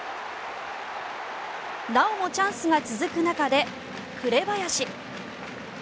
なおもチャンスが続く中で紅林。